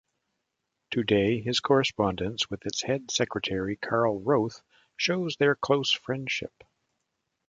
Today his correspondence with its head secretary Carl Rothe shows their close friendship.